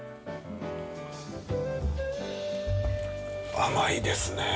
甘いですね。